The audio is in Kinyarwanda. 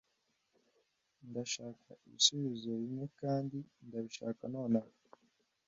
Ndashaka ibisubizo bimwe kandi ndabishaka nonaha.